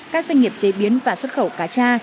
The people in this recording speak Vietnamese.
các doanh nghiệp chế biến và xuất khẩu cá tra